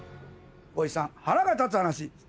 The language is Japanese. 光一さん「腹が立つ話」